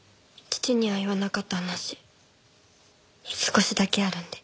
父には言わなかった話少しだけあるんで。